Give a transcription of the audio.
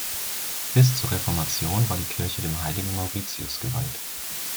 Bis zur Reformation war die Kirche dem Heiligen Mauritius geweiht.